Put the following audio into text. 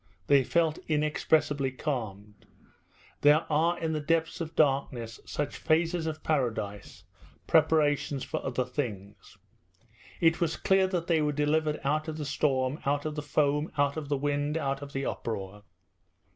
They felt inexpressibly calmed. There are in the depths of darkness such phases of paradise, preparations for other things. It was clear that they were delivered out of the storm, out of the foam, out of the wind, out of the uproar.